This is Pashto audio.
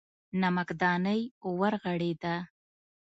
نمکدانۍ ورغړېده.